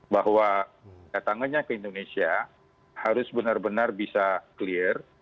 bahwa datangannya ke indonesia harus benar benar bisa clear